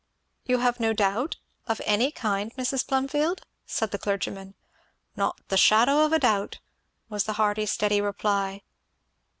"You have no doubt of any kind, Mrs. Plumfield?" said the clergyman. "Not the shadow of a doubt!" was the hearty, steady reply.